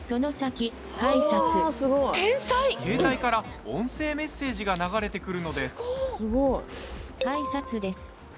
携帯から音声メッセージが流れてくるのです。